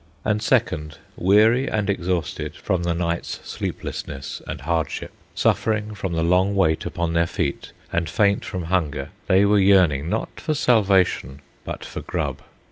And second, weary and exhausted from the night's sleeplessness and hardship, suffering from the long wait upon their feet, and faint from hunger, they were yearning, not for salvation, but for grub.